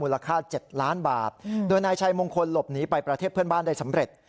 ราคา๗ล้านบาทโดยนายชัยมงคลหลบหนีไปประเทศเพื่อนบ้านได้สำเร็จ